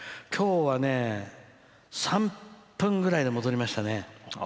きょうはね３分ぐらいで戻りましたね。